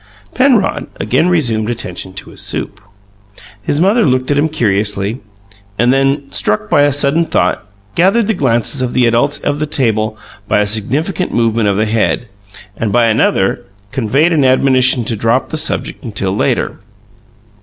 Penrod again resumed attention to his soup. His mother looked at him curiously, and then, struck by a sudden thought, gathered the glances of the adults of the table by a significant movement of the head, and, by another, conveyed an admonition to drop the subject until later.